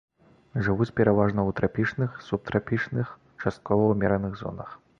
Жывуць пераважна ў трапічных, субтрапічных, часткова ўмераных зонах.